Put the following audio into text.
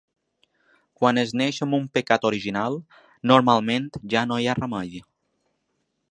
Quan es neix amb un pecat original, normalment ja no hi ha remei.